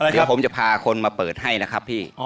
เดี๋ยวผมจะพาคนมาเปิดให้นะครับพี่